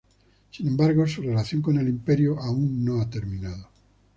Sin embargo, su relación con el Imperio aún no ha terminado.